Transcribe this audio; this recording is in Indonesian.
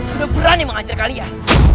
udah berani menghancurkan kalian